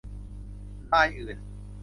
ลายอื่น